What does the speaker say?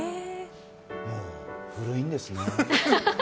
もう古いんですね。